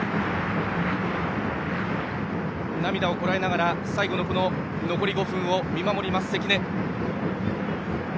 涙をこらえながら最後の残り５分を見守ります、関根。